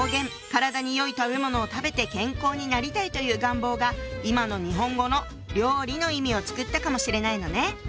「体によい食べものを食べて健康になりたい！」という願望が今の日本語の「料理」の意味を作ったかもしれないのね。